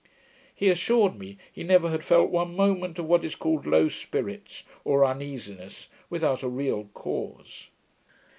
He assured me, he never had felt one moment of what is called low spirits, or uneasiness, without a real cause.